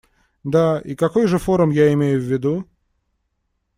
Да, и какой же форум я имею в виду?